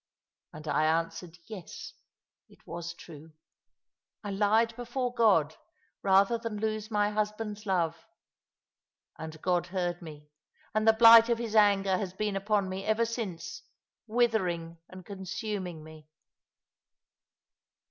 And I answered yes, it was true. I lied before God rather than lose my husband's love; and God heard me, and the blight of His anger has been upon me ever since, withering and consuming me.